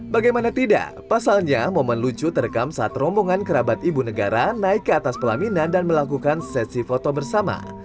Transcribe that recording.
bagaimana tidak pasalnya momen lucu terekam saat rombongan kerabat ibu negara naik ke atas pelaminan dan melakukan sesi foto bersama